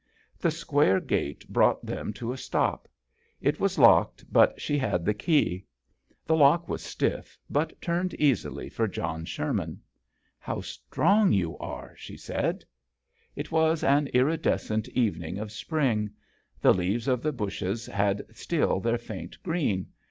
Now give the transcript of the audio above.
The Square gate brought them to a stop. It was locked, but she had the key. The lock was stiff, but turned easily for John Sher man. " How strong you are," she said. 58 JOHN SHERMAN. It was an iridescent evening of spring. The leaves of the bushes had still their faint green.